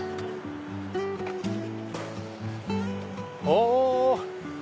お！